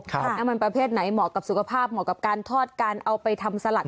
น้ำมันประเภทไหนเหมาะกับสุขภาพเหมาะกับการทอดการเอาไปทำสลัด